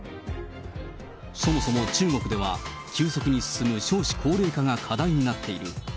そもそも中国では、急速に進む少子高齢化が課題になっている。